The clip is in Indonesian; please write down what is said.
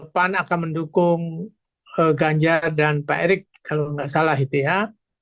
pan akan mendukung ganjar dan pak erik kalau nggak salah itu ya